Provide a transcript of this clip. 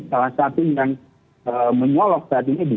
salah satu yang menyolok saat ini di